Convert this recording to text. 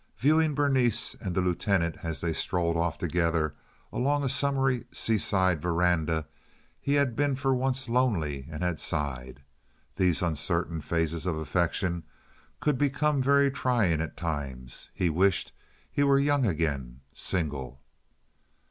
Viewing Berenice and the Lieutenant as they strolled off together along a summery seaside veranda, he had been for once lonely, and had sighed. These uncertain phases of affection could become very trying at times. He wished he were young again, single.